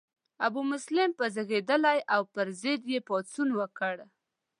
ابومسلم په زیږیدلی او د پر ضد یې پاڅون وکړ.